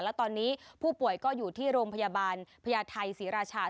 และตอนนี้ผู้ป่วยก็อยู่ที่โรงพยาบาลพญาไทยศรีราชา